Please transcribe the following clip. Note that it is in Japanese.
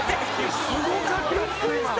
すごかったです